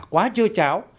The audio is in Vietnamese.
quá chơ cháo